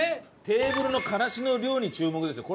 テーブルのからしの量に注目ですよ。